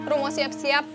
rum mau siap siap